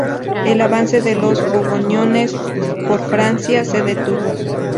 El avance de los borgoñones por Francia se detuvo.